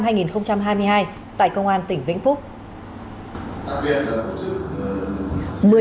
tại công an tỉnh vĩnh phúc